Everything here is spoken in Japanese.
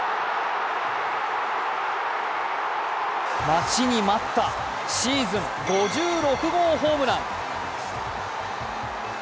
待ちに待ったシーズン５６号ホームラン。